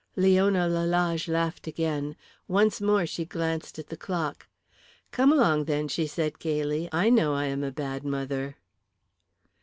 Leona Lalage laughed again. Once more she glanced at the clock. "Come along then," she said gaily. "I know I am a bad mother."